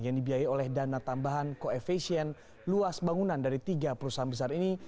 yang dibiayai oleh dana tambahan koefisien luas bangunan dari tiga perusahaan besar ini